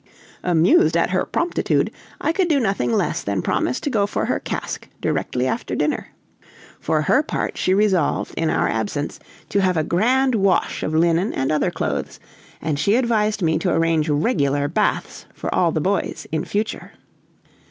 Amused at her promptitude, I could do nothing less than promise to go for her cask directly after dinner. For her part she resolved in our absence to have a grand wash of linen and other clothes, and she advised me to arrange regular baths for all the boys in future.